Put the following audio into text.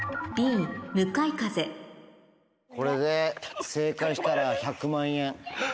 これで正解したら１００万円。